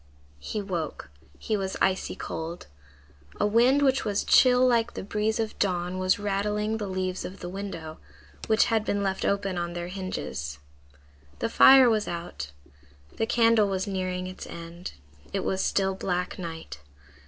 He woke. He was icy cold. A wind which was chill like the breeze of dawn was rattling the leaves of the window, which had been left open on their hinges. The fire was out. The candle was nearing its end. It was still black night.